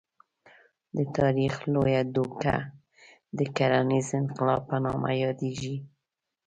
د تاریخ لویه دوکه د کرنیز انقلاب په نامه یادېږي.